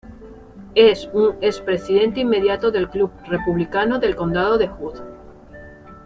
Es un expresidente inmediato del club republicano del Condado de Hood.